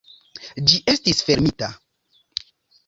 Ĝi estis fermita.